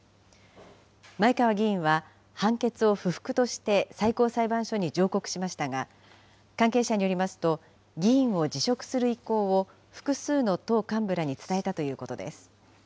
前川議員は判決を不服として最高裁判所に上告しましたが、関係者によりますと、議員を辞職する意向を複数の党幹部らに伝えたということです。